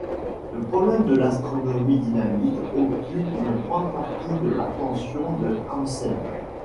Le problème de l'astronomie dynamique occupe une grande partie de l'attention de Hansen.